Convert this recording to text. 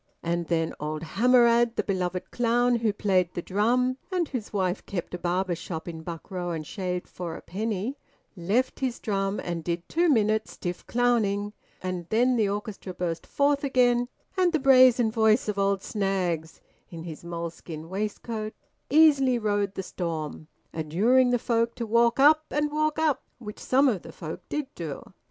And then old Hammerad, the beloved clown who played the drum (and whose wife kept a barber's shop in Buck Row and shaved for a penny), left his drum and did two minutes' stiff clowning, and then the orchestra burst forth again, and the brazen voice of old Snaggs (in his moleskin waistcoat) easily rode the storm, adjuring the folk to walk up and walk up: which some of the folk did do.